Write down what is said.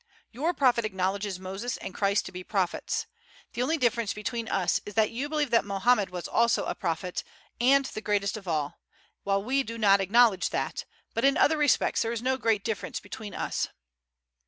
Your Prophet acknowledges Moses and Christ to be prophets. The only difference between us is that you believe that Mohammed was also a prophet, and the greatest of all, while we do not acknowledge that, but in other respects there is no great difference between us."